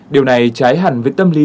điều này trái hẳn với tâm lý